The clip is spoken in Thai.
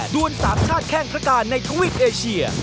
ดวน๓ชาติแข้งพระกาศในทวิทย์เอเชีย